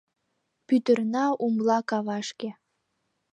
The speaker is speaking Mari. Пӱтырна умла кавашке